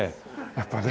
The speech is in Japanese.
やっぱね。